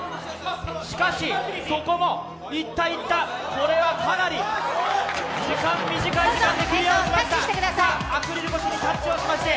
しかし、そこもいったいった、これはかなり短い時間でクリアをしました。